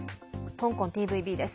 香港ＴＶＢです。